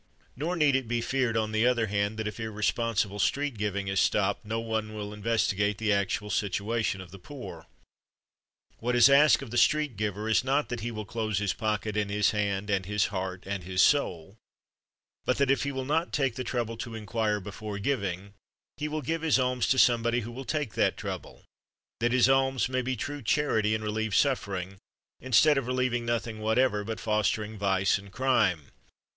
Nor need it be feared, on the other hand, that if irresponsible street giving is stopped nobody will investigate the actual situation of the poor. What is asked of the street giver is not that he will close his pocket and his hand and his heart and his soul; but that, if he will not take the trouble to inquire before giving, he will give his alms to somebody who will take that trouble, that his alms may be true charity and relieve suffering, instead of relieving nothing whatever, but fostering vice and crime.